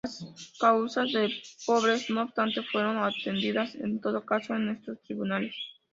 Las "causas de pobres", no obstante, fueron atendidas en todo caso en estos tribunales.